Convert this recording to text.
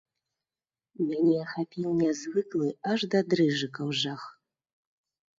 Мяне ахапіў нязвыклы, аж да дрыжыкаў, жах.